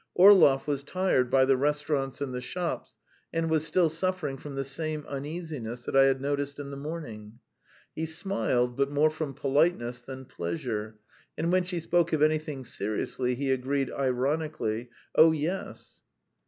Orlov was tired by the restaurants and the shops, and was still suffering from the same uneasiness that I had noticed in the morning. He smiled, but more from politeness than pleasure, and when she spoke of anything seriously, he agreed ironically: "Oh, yes."